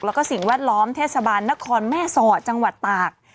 แล้วก็สิ่งแวดล้อมเทศบาลนครแม่สอดจังหวัดตาก